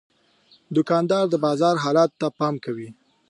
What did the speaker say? دوکاندار د بازار حالاتو ته پام کوي.